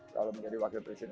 kalau menjadi wakil presiden